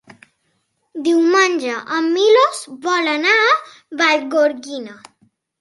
Diumenge en Milos vol anar a Vallgorguina.